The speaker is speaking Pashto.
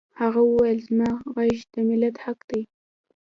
هغه وویل زما غږ د ملت حق دی